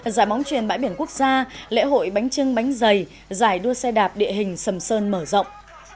giải bóng truyền bãi biển quốc gia lễ hội bánh trưng bánh dày giải đua xe đạp địa hình sầm sơn mở rộng